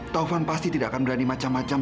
taufan pasti tidak akan berani macam macam